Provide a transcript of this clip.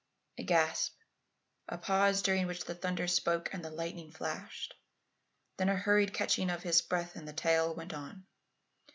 A gasp a pause, during which the thunder spoke and the lightning flashed, then a hurried catching of his breath and the tale went on.